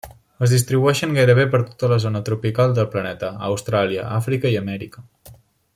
Es distribueixen gairebé per tota la zona tropical del planeta; a Austràlia, Àfrica i Amèrica.